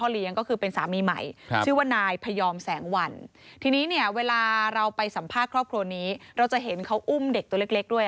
เราจะเห็นเขาอุ้มเด็กตัวเล็กด้วย